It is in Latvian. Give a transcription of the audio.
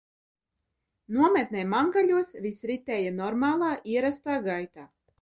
Nometnē Mangaļos viss ritēja normālā, ierastā gaitā.